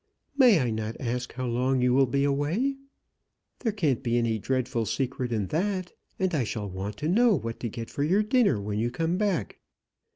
"May I not ask how long you will be away? There can't be any dreadful secret in that. And I shall want to know what to get for your dinner when you come back."